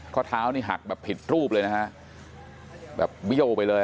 ข้อเท้านี่หักแบบผิดรูปเลยนะฮะแบบเบี้ยวไปเลย